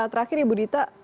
terakhir ibu dita